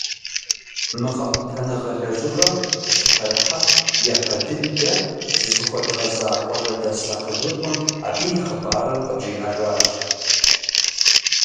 Мы къэхутэныгъэ лэжьыгъэм дыщыпэрыхьэм, япэ дыдэ зызыхуэдгъэза къуажэдэс нэхъыжьыфӏым абы и хъыбарыр къыджиӏэжащ.